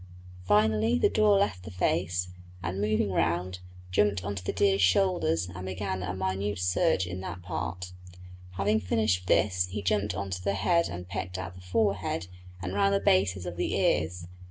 Finally the daw left the face, and, moving round, jumped on to the deer's shoulders and began a minute search in that part; having finished this he jumped on to the head and pecked at the forehead and round the bases of the ears.